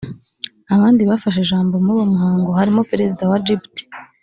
Abandi bafashe ijambo muri uwo muhango harimo Perezida wa Djibouti